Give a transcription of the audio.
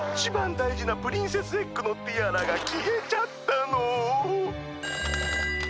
だいじなプリンセスエッグのティアラがきえちゃったの！